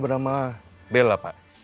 bernama bella pak